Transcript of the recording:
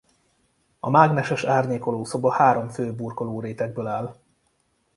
A mágneses árnyékoló szoba három fő burkoló rétegből áll.